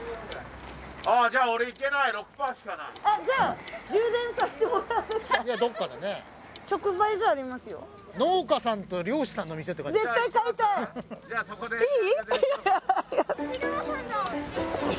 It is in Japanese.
じゃあそこで。